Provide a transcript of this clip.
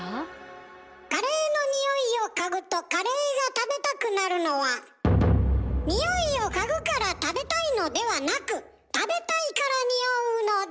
カレーの匂いを嗅ぐとカレーが食べたくなるのは匂いを嗅ぐから食べたいのではなく食べたいから匂うのだ。